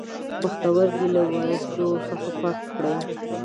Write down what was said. پښتورګی له وازدو څخه پاک کړئ.